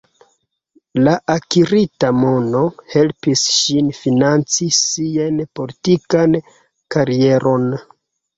La akirita mono helpis ŝin financi sian politikan karieron.